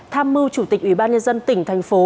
tham mưu chủ tịch ubnd tỉnh thành phố